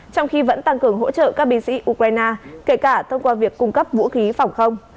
trong khi vẫn tăng cường hỗ trợ các binh sĩ ukraine kể cả thông qua việc cung cấp vũ khí phòng không